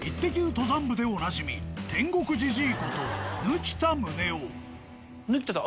登山部でおなじみ、天国じじいこと、貫田宗男。